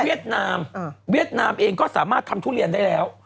นามเวียดนามเองก็สามารถทำทุเรียนได้แล้ว